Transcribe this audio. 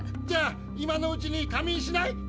じゃあ今のうちに仮眠しない？